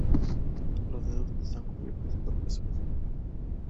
Los dedos están cubiertos por pezuñas.